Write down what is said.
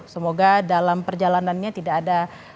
semoga dalam perjalanannya tidak ada